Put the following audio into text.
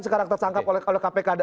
sekarang tersangkap oleh kpk